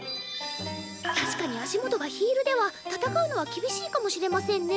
確かに足元がヒールでは戦うのは厳しいかもしれませんね。